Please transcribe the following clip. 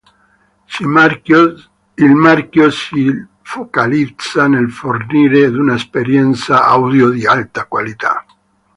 Il marchio si focalizza nel fornire un'esperienza audio di alta qualità.